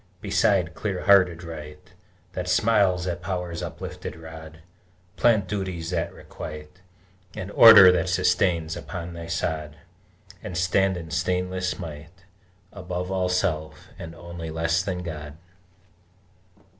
Beside clear hearted Right That smiles at Power's uplifted rod, Plant Duties that requite, And Order that sustains, upon thy sod, And stand in stainless might Above all self, and only less than God!